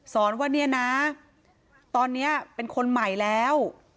สอนว่าเนี่ยนะตอนนี้เป็นคนใหม่แล้ว